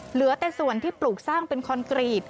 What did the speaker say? เหลือแต่ส่วนที่ปลูกสร้างเป็นคอนกรีต